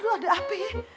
aduh ada api